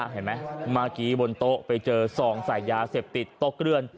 เห็นไหมเมื่อกี้บนโต๊ะไปเจอซองใส่ยาเสพติดตกเกลือน